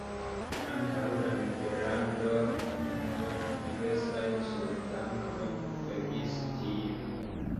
Antaŭ la nederlandanoj diversaj sultanoj regis tie.